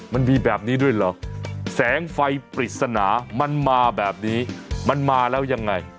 มันมีแบบนี้ด้วยเหรอแสงไฟปริศนามันมาแบบนี้มันมาแล้วยังไง